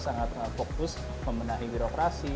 sangat fokus memenangi birokrasi